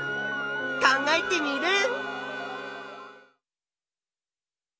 考えテミルン！